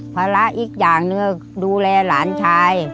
ภาระอีกอย่างหนึ่งดูแลหลานชาย